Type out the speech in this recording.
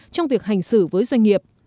trong việc hành xử với doanh nghiệp